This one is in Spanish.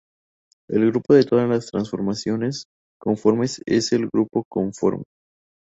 El grupo de todas las transformaciones conformes es el grupo conforme.